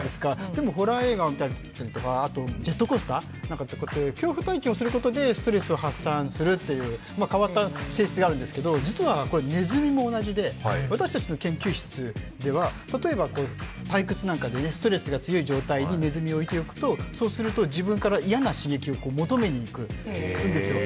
でも、ホラー映画を見たり、ジェットコースターとか恐怖体験をすることでストレスを発散するという変わった性質があるんですが、実はネズミも同じで私たちの研究室では例えば退屈なんかでストレスが強い状態にネズミを置いておくとそうすると、自分から嫌な刺激を求めにいくんですよ。